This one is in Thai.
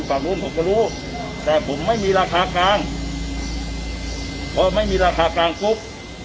ฝากรุ่นผมก็รู้แต่ผมไม่มีราคากลางเพราะไม่มีราคากลางกรุ๊ป